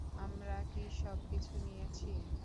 আমরা কি সবকিছু নিয়েছি?